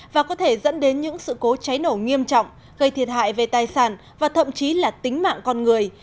và có thể dẫn đến những sự cố cháy nổ nghiêm trọng gây thiệt hại về tài sản và thậm chí là tính mạng con người